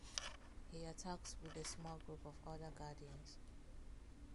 He attacks with a small group of other Guardians.